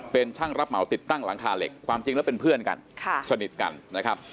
เป็นช่างรับเหมาติดตั้งหลังคาเหล็กความจริงแล้วเป็นเพื่อนกันสนิทกันนะครับ